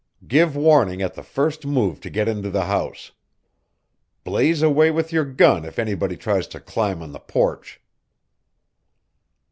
"Give warning at the first move to get into the house. Blaze away with your gun if anybody tries to climb on to the porch."